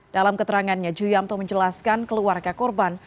dalam keterangannya ju yamto menjelaskan keluarga korban